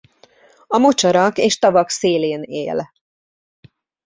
A mocsarak és tavak szélén él.